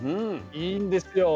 いいんですよ。